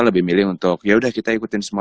lebih milih untuk yaudah kita ikutin semua